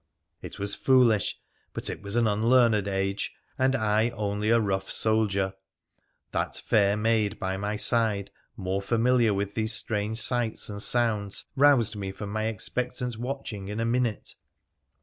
It was foolish, but it was an unlearned age, and I only a rough soldier. That fair maid by my side, more familiar with these strange sights and sounds, roused me from my expectant watching in a minute.